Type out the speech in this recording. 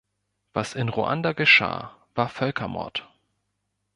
Was in Ruanda geschah, war Völkermord.